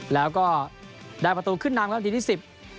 แล้วก็ได้ประตูขึ้นน้ำแล้วทีที่๑๐